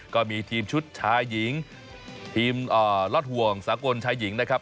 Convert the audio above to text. ก็มีทีมชุดชายหญิงทีมรอดห่วงสากลชายหญิงนะครับ